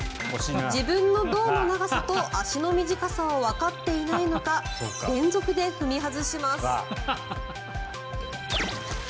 自分の胴の長さと足の短さをわかっていないのか連続で踏み外します。